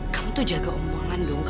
kamu tuh jaga omongan dong